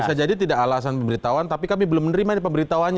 bisa jadi tidak alasan pemberitahuan tapi kami belum menerima ini pemberitahuannya